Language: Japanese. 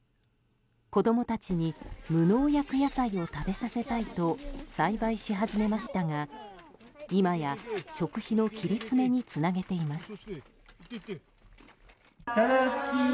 子供たちに無農薬野菜を食べさせたいと栽培し始めましたが今や食費の切り詰めにつなげています。